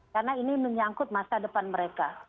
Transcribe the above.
karena ini menyangkut masa depan mereka